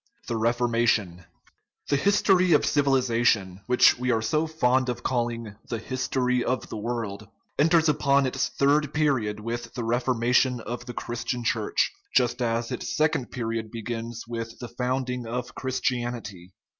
THE REFORMATION The history of civilization, which we are so fond of calling "the history of the world," enters upon its third period with the Reformation of the Christian Church, just as its second period begins with the founding of Christianity.